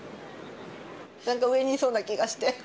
なんか上にいそうな気がして。